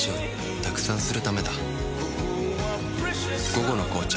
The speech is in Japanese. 「午後の紅茶」